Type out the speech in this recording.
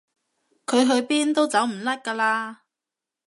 佢去邊都走唔甩㗎啦